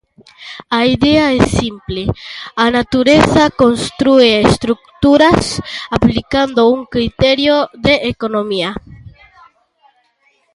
A idea é simple: a natureza constrúe estruturas aplicando un criterio de economía.